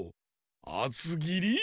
あつぎり？